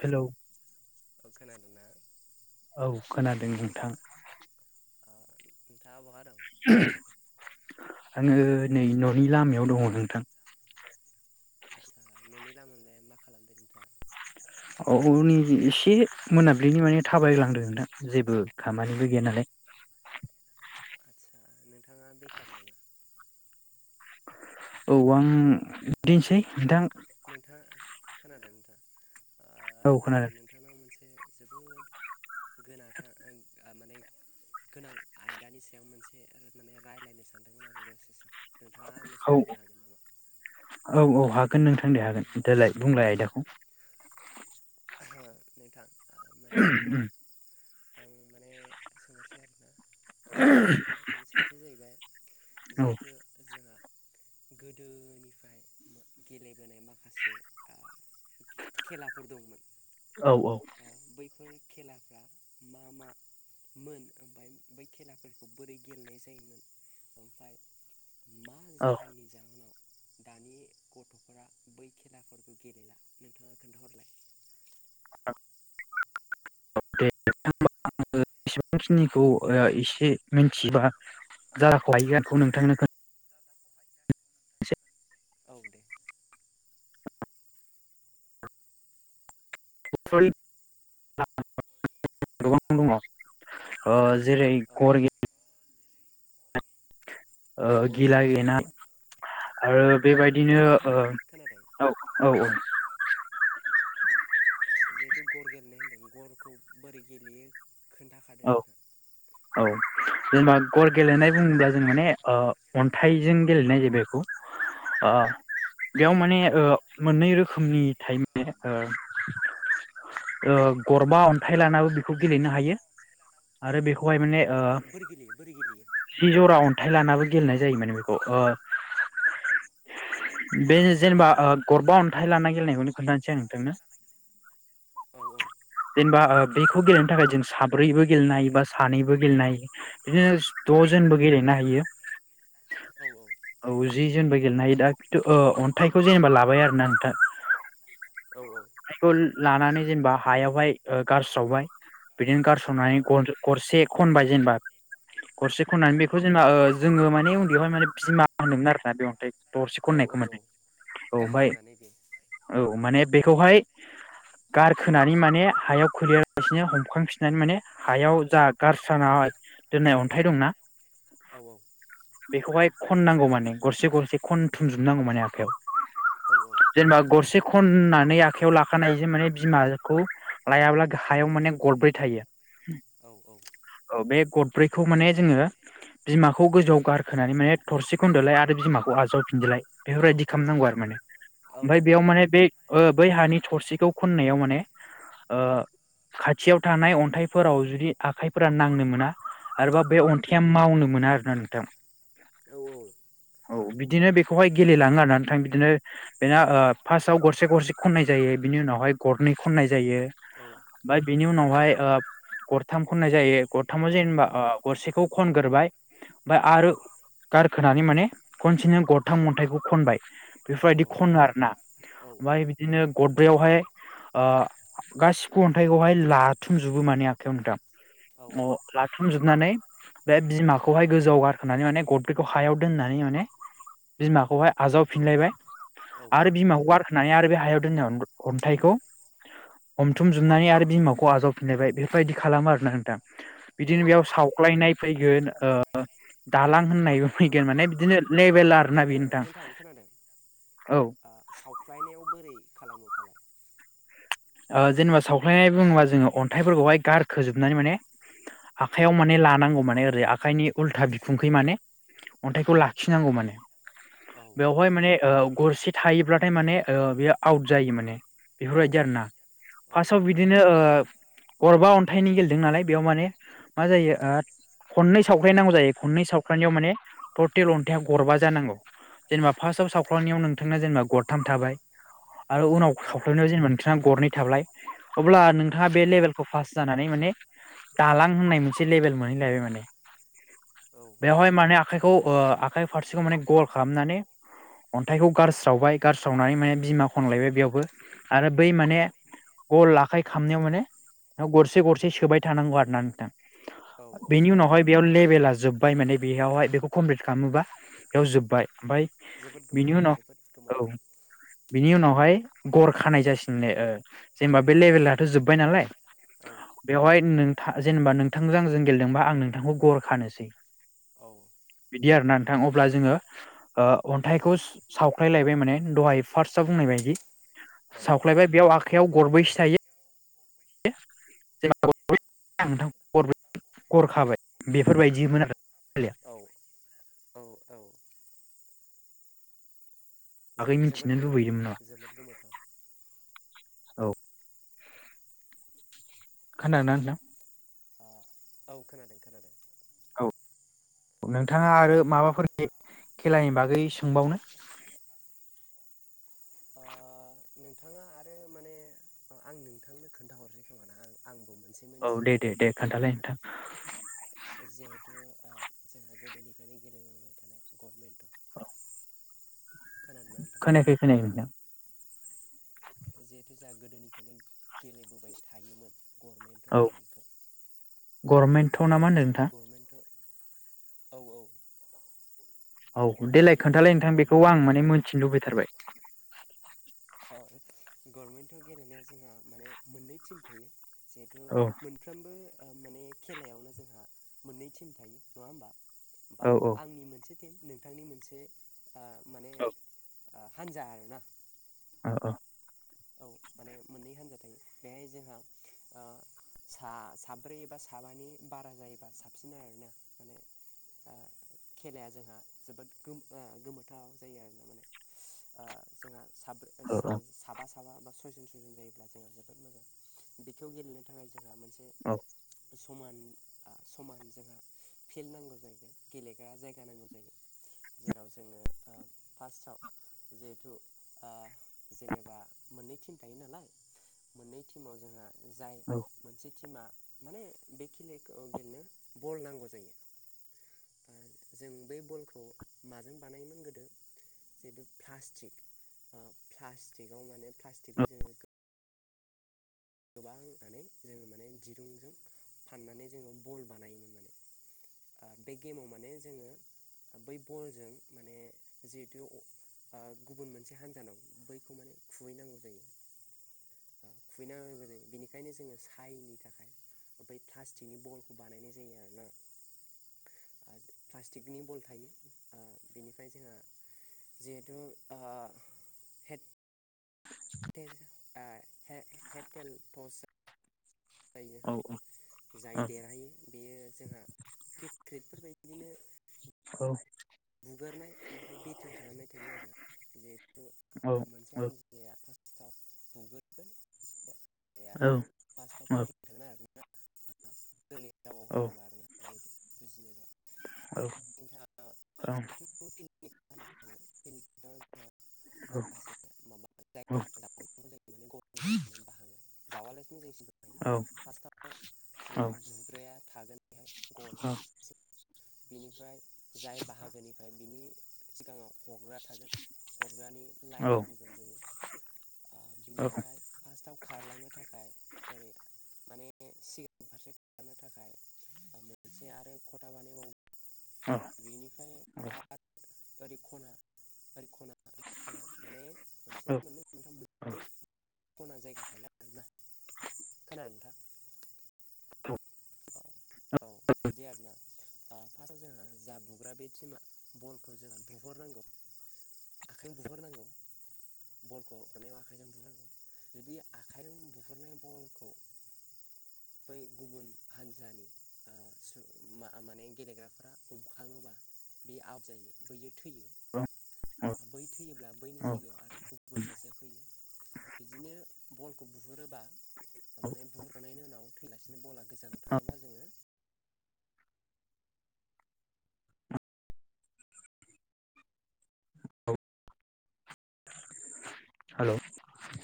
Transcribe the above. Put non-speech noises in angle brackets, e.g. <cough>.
Hello अ खोनादोंना? औ खोनादों नोंथां। अ नोंथाङा बहा दं? आङो नै न'नि लामायाव दङ नोंथां। लामायावलाय मा खालामदों नोंथां? औ नै एसे मोनाब्लिनि माने थाबायग्लांदों नोंथां जेबो खामानिबो गैया नालाय। आस्सा नोंथाङा बेखार नामा? औ आं ओ बिदिनोसै नोंथां। नोंथाङा खोनादों नोंथां? औ खोनादों। एसे जोबोद गोनाथार ओं आ माने गोनां आयदानि सायाव मोनसे माने रायलायनो सानदोंमोन आरो दसे सम। नोंथाङा आंनो औ सम होनो हागोन नामा? औ औ हागोन नोंथां दे हागोन देलाय बुंलाय आयदाखौ। ओ नोंथां। माने <inaudible> आं माने सोंहरसै आरोना। कुइसना जाहैबाय माने सोंथिया जाहैबाय औ जिहेथु जोंहा गोदोनिफ्राय गेले बोनाय माखासे आ खे-खेलाफोर दंमोन औ औ। फोर खेलाफ्रा मा मा मोन ओमफाय बै खेलाफोरखौ बोरै गेलेनाय जायोमोन ओमफाय मा औ जाहोननि जाउनाव दानि गथ'फोरा बै खेलाफोरखौ गेलेला नोंथाङा खोन्थाहरलाय? <inaudible> एसेबांखिनिखौ ओ इसे मोनथिबा <inaudible> नोंथांनो खोन औ दे। <inaudible> गोबां दङ ओ जेरै औ गर गे ओ औ गिला औ गेनाय ओ बेबायदिनो नोंथां ओ खोनादों औ औ औ जिहेथु गर गेलेनाय होन्दों गरखौ बोरै गेलेयो खोन्थाखादो औ नोंथां? औ जेनेबा गर गेलेनाय बुङोब्ला जों माने ओ अन्थाइजों गेलेनाय जायो बेखौ। ओ बेयाव माने औ ओ मोननै रोखोमनि थायो ने ओ ओ गरबा अन्थाइ लानाबो बेखौ गेलेनो हायो। आरो बेखौहाय माने ओ औ बोरै गेलेयो बोरै गेलेयो जिजरा अन थाय लानाबो गेलेनाय जायो माने बेखौ ओ बे जेनेबा ओ गरबा अन्थाइ लाना गेलेनायखौनो खोन्थानोसै आं नोंथांनो <unintelligible> औ जेनेबा ओ बेखौ गेलेनो थाखाय जों सा ब्रैबो गेलेनो हायो बा सानैबो गेलेनो हायो बिदिनो द'जोनबो औ गेलेनो हायो औ औ औ जि जोनबो गेलेनो हायो दा खिथु ओ अन्थाइखौ जेनेबा लाबाय आरोना नोंथां औ औ खौ लानानै जेनेबा हायावहाय ओ गारस्रावबाय बिदिनो गारस्रावनानै गन गरसे खनबाय जेनेबा गरसे खननानै औ बेखौ जेनबा ओ जोङो माने उन्दैयावहाय माने बिमा होनोमोन आरोना बे अन्थाइ दरसे औ खननायखौ औ औ माने औ गाहाय ओमफ्राय माने बे औ माने बेखौहाय गारखोनानै माने हायाव खोलैयालासिनो हमखांफिननानै माने हायाव जा गारसानाय दोननाय अन्थाइ दंना औ औ बेखौहाय खननांगौ माने गरसे गरसे खनथुमजोबनांगौ माने औ आखाइयाव जेनबा गरसे खननानै आखायाव लाखानायजों माने बिमाखौ लायाब्ला हायाव माने गरब्रै थायो औ औ औ बे गदब्रैखौ माने जोङो बिमाखौ गोजौआव गारखोनानै माने थरसे खनदोलाय आरो बिमाखौ आजावफिनदोलाय बेफोरबायदि औ खालामनांगौ आरो माने औ ओमफ्राय बेयाव माने बे ओ बै हानि थरसिखौ खननायाव माने ओ खाथियाव थानाय अन्थाइ फोराव जुदि आखाइफोरा नांनो मोना आरोबा बे औ अन्थाइया मावनो मोना आरोना नोंथां औ औ बिदिनो बेखौहाय गेलेलाङो आरोना नोंथां बिदिनो बेना फार्स्टाव गरसे गरसे खननाय जायो बिनि उनावहाय गरनै खननाय जायो ओमफ्राय बिनि उनावहाय ओ गरथाम खननाय जायो गरथामाव जेनेबा ओ गरसेखौ खनग्रोबाय ओमफ्राय आरो गारखोनानै माने खनसेनो गरथाम अन्थाइखौ खनबाय बेफोरबायदि खनो आरोना ओमफ्राय बिदिनो गदब्रैयावहाय ओ गासिबो अन्थाइखौहाय लाथुमजोबो माने आं मोनथाम अ लाथुम जोब होनानै बे बिमाखौहाय गोजौआव गारखोनानै माने गदब्रैखौ हायाव दोननानै माने बिमाखौहाय आजावफिनलायबाय औ औ आरो बिमाखौ गारखोनानै आरो बे हायाव दोननाय अन्थाइखौ हमथुम हमथुमजोबनानै बिमाखौ आलादा बुजायनाय बेफोरबायदि खालामो ना जोबनानै आरो बिमाखौ आजावफिनलायबाय बे बेफोरबादि खालामो आरोना नोंथां औ बिदिनो औ बेयाव सावख्लायनाय फैगोन दालां होननायबो औ फैगोन माने बिदिनो लेबेलार ओ नोंथां खोनादों औ सावख्लायनायाव बोरै खालामो फालाय जेनेबा सावख्लायनाय बुङोबा जोङो अन्थाइफोरखौहाय गारखोजोबनानै माने आखयाव माने लानांगौ माने ओरै आखाइनि उल्था बिखुंखै माने अन्थाइखौ लाखिनांगौ माने औ बेवहाय माने ओ गरसे थायोब्लाथाय माने ओ बेयो आउट जायो माने औ बेफोरबायदि औ आरोना औ फार्स्टआव बिदिनो ओ गरबा अन्थाइनि गेलेदों नालाय बेयाव माने मा जायो ओ खननै सावख्राय नांगौ जायो खननै सावख्रायनायाव माने ततेल अन्थाइया गरबा जानांगौ जेनेबा फार्स्ट आआव सावख्लांनायाव नोंथांना जेनेबा गरथाम थाबाय आरो उनाव औ सावख्लायनायाव जेनेबा गरनै थाबालाय अब्ला नोंथाङा बे लेभेलखौ पास जानानै माने दालां होननाय मोनसे लेभेल मोनो निलायबाय माने <unintelligible> औ बेवहाय माने आखाइखौ ओ आखाइ फारसेखौ माने गल खालामनानै अन्थाइखौ गारस्रावबाय गारस्रावनानै माने बिमा खनलायबाय बेयावबो आरो बै माने गल आखाइ खामनायाव माने गरसे गरसे सोबाय थानांगौ आरो ना नोंथां औ औ बेनि उनावहय बेयाव लेभेला जोब्बाय माने बेयावहाय बेखौ कमप्लिट खालामोबा बेयाव जोब्बाय ओमफ्राय जोबोद बिनि गोमोथाव उनाव जोबोद औ गोमोथाव बिनि उनावहाय गर खानाय जासिनोल जेनेबा बे लेभेेलथ' जोब्बाय नालाय औ बेवहाय नोंथां जेनेबा नोंथांजों आंजों गेलेदोंबा आं नोंथांखौ गर खानोसै औ बिदि आरोना नोंथां अब्ला जोङो अन्थाइखौ सावख्लायलायबाय माने दहाय फार्स्टआव बुंलायबाय औ सावख्लायबाय बेयाव आखाइयाव गरबैसो थायो <unintelligible> गर खाबाय बेफोरबायदिमोन <unintelligible> औ औ खेलाया बागै जोबोद मिथिनो गोमोथाव लुबैदोंमोन नामा जोबोद गोमोथाव औ खोनादोंना नोंथां ओ औ खोनादों खोनादों औ नोंथाङा आरो माबाफोर खेलानि बागै सोंबावनो ओ नोंथाङा आरो माने आं नोंथांनो खोन्थाहरसै खोमा ना आं आंबो मोन औ दे दे दे खोन्थालाय नोंथां जिहेथु जोंहा गोदोनिफ्रायनो गेलेबोबाय थानाय गभमेन्ट दं <inaudible> नोंथां खोनखैखौनाय <inaudible> औ होननायखौ ओ गभर्मेन्टथ' ना मा होन्दों जिहेथु नोंथां गभर्नमेन्ट' <inaudible> औ देलाय जिहेथु खोन्थालाय नोंथां बेखौ गभर्नमेन्ट' आं माने गेलेनायाव मोनथिनो लुबैथारबाय <inaudible> <inaudible> <inaudible> औ औ औ हान्जा आर आरो ना औ औ औ माने मोननै हान्जा थायो बेहाय जोंहा सा साब्रै एबा साबानि बारा जायोबा साबसिन आरोना माने खेलाया जोंहा जोबोद गो-गोमोथाव जायो आरो ना माने जोंना औ साबा <unintelligible> थाबा बा सयजन सयजन जायोब्ला जोंहा जोबोद मोजां बेखौखौ गेलेनो थाखाय जोंहा औ <unintelligible> समान समान जोंहा फिल्ड नांगौ जायो गेलेग्रा जायगा नांगौ जायो <inaudible> मोननै टिम थायो नालाय मोननै टिमाव जोंहा जाय मोनसे टिमा माने बे खलाखौ गेलेनो बल नांगौ जायो जों बै बलखौ माजों बानायोमोन गोदो जिहेतु प्लास्टिक प्लास्टिकआव माने प्लास्टिकखौ जोङो गोबांनानै जोङो माने दिरुंजों फाननानै जोङो बल बानायोमोन माने बे गेमाव माने जोङो बै बलजों माने जिहेथु गुबुन मोनसे हान्जानाव बैखौ माने खुबैनांगौ जायो <unintelligible> ज बेनिखायनो जोङो सायनि थाखाय प्लास्टिकनि बलखौ बानायनाय जायो आरो ना प्लास्टिकनि बल थायो बेनिफ्राय जोंहा जिहेतु ओ हेड ओ हटेलथस ज औ जोंहा जाय देरहायो बेयो जोंहा किकेटफोरबायायदि बिदिनो बुगारनाय ओमफ्राय बेटिं खालामनाय थायो आरो औ जिहेथु मोनसे औ हान्जाया फार्स्ट फआव दुग्रोगोन औ फार्टआव फिल्डिं थागोन आरो न <unintelligible> <inaudible> औ <unintelligible> <inaudible> औ माखासे माबा जायगा औ जावनांगौ जायो माने गल गलनो बाहागो जावालासिनो <unintelligible> <inaudible> फार्स्टआव जिहेथु बुग्राया थागोन बेहाय गल बिनिफ्राय जाय बाहागोनिफ्राय बिनि सिगाङाव हरग्रा थागोन हरग्रानि लाइनखौ होगोन जोङो बिनिफ्राय फार्स्टआव खारलांनो थाखाय ओरै माने सिगां फारसे खालामनो थाखाय मोनसे आरो खथा बानायबावो बेनिफ्राय आरो ओरै खना ओरै खना खना माने मोनसे मोननैथाम। खना जायगा थायला आरोना खोनादोंना। औ बिदि आरोना फार्स्टआव जोंहा। जा बुग्रा बे टिमा बलखौ जोंहा बुहरनांगौ। आखाइजों बुहरनांगौ बलखौ हरनायाव आखाइजों बुहोनांगौ। जुदि आखाइजों बुहुरनाय बलखौ। बै गुबुन हान्जानि ओ सुबुं मा माने गेलेग्राफ्रा। हमखाङोबा बे आउट जायो बैयो। थैयो बै थैयोब्ला औ बैनि जायगायाव आरो गुबुन सासेया फैयो। बिदिनो बलखौ बुहुरोबा माने बुहुरनायनि उनाव थैलासिनो बल। बा गोजानाव थाङोबा जोङो। औ हेल'।